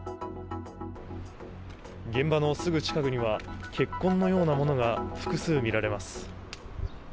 現場のすぐ近くには、血痕のようなものが複数見られます。